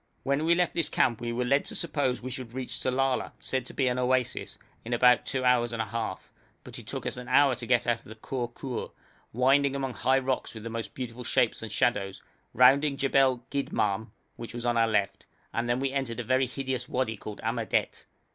When we left this camp we were led to suppose we should reach Sellala, said to be an oasis, in about two hours and a half; but it took us an hour to get out of the Khor Khur, winding among high rocks with most beautiful shapes and shadows, rounding Jebel Gidmahm, which was on our left, and then we entered a very hideous wadi called Amadet.